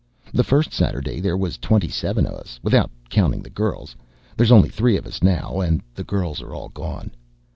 The first Saturday there was twenty seven of us, without counting the girls; there's only three of us now, and the girls are gone.